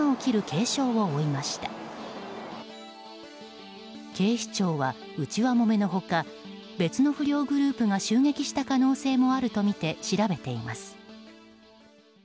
警視庁は内輪もめの他別の不良グループが襲撃した可能性もあるとみて調べています。